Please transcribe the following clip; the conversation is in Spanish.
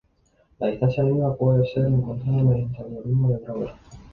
La distancia mínima puede ser encontrada mediante el Algoritmo de Grover.